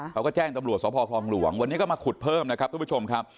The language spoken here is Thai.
เขาก็แจ้งตำรวจสพคลองหลวงวันนี้ก็มาขุดเพิ่มนะครับทุกผู้ชมครับ